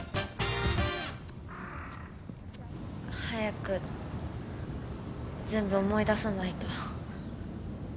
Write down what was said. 早く全部思い出さないと。